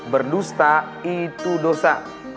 berdusta itu dosa